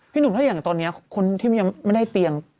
หนุ่มถ้าอย่างตอนนี้คนที่ยังไม่ได้เตียง